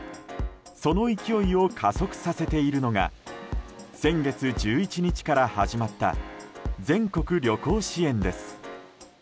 その勢いを加速させているのが先月１１日から始まった全国旅行支援です。